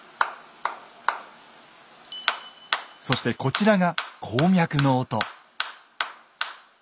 そしてこちらが鉱脈の音。